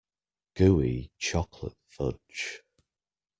Gooey chocolate fudge.